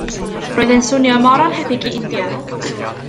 Roedd e'n swnio mor annhebyg i India.